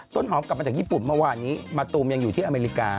ต้นหอมกลับมาจากญี่ปุ่นเมื่อวานนี้มะตูมยังอยู่ที่อเมริกา